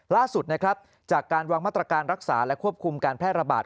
ล่าสุดนะครับจากการวางมาตรการรักษาและควบคุมการแพร่ระบาด